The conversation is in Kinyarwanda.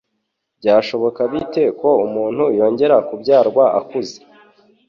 “Byashoboka bite ko umuntu yongera kubyarwa akuze